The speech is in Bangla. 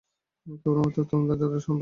কেবলমাত্র তোমার দ্বারাই সম্ভব।